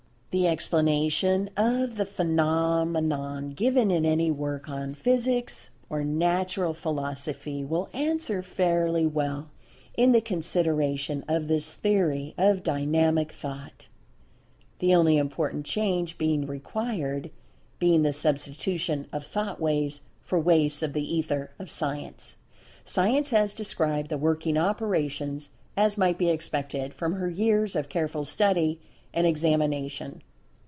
The explanation of the phenomenon given in any work on Physics or Natural Philosophy will answer fairly well in the consideration of this Theory of Dynamic Thought, the only important change being required, being the substitution of "Thought waves" for "Waves of the Ether" of Science. Science has described the "working operations," as might be expected from her years of careful study and examination.